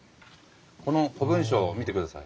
この古文書を見てください。